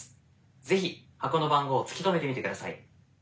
是非箱の番号を突き止めてみてください。